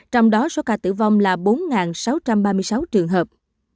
trong đó số ca tử vong là bốn sáu trăm ba mươi sáu trường hợp